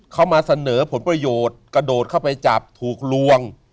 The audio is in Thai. เขามาเสนอผลประโยชน์กระโดดเข้าไปจับถูกลวง